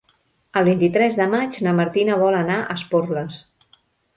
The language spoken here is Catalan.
El vint-i-tres de maig na Martina vol anar a Esporles.